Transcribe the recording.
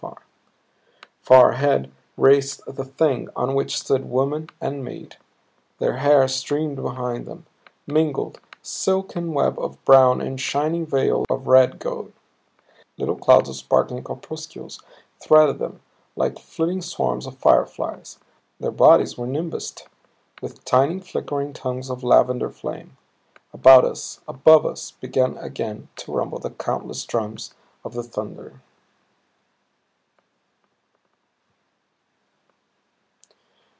Far ahead raced the Thing on which stood woman and maid. Their hair streamed behind them, mingled, silken web of brown and shining veil of red gold; little clouds of sparkling corpuscles threaded them, like flitting swarms of fire flies; their bodies were nimbused with tiny, flickering tongues of lavender flame. About us, above us, began again to rumble the countless drums of the thunder.